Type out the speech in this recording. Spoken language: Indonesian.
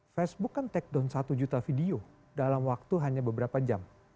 facebook kan take down satu juta video dalam waktu hanya beberapa jam